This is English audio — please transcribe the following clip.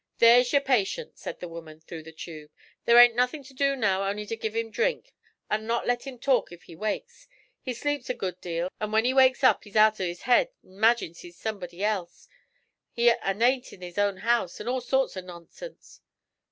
'"There's yer patient," says the woman, through the tube. "There ain't nothin' to do now only ter give him drink, an' not let him talk if he wakes. He sleeps a good deal, an' when he wakes up he's out of his head, an' 'magines he's somebody else, an' ain't in his own house, an' all sorts of nonsense."